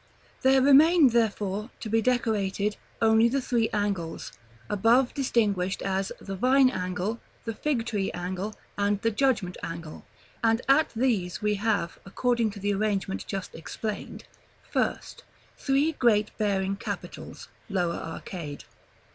There remain, therefore, to be decorated, only the three angles, above distinguished as the Vine angle, the Fig tree angle, and the Judgment angle; and at these we have, according to the arrangement just explained, First, Three great bearing capitals (lower arcade).